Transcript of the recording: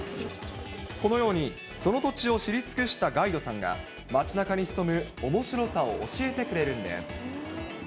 このようにその土地を知り尽くしたガイドさんが、町なかに潜むおもしろさを教えてくれるんです。